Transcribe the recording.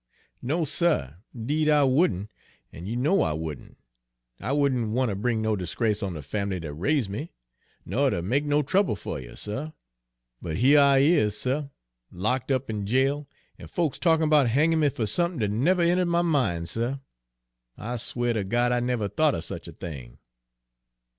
"No, suh, 'deed I wouldn', an' you know I wouldn'! I wouldn' want ter bring no disgrace on de fam'ly dat raise' me, ner ter make no trouble fer you, suh; but here I is, suh, lock' up in jail, an' folks talkin' 'bout hangin' me fer somethin' dat never entered my min', suh. I swea' ter God I never thought er sech a thing!"